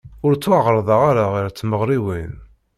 Ur ttwaεerḍeɣ ara ɣer tmeɣriwin.